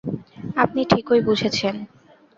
আপনি ঠিকই বুঝেছেন।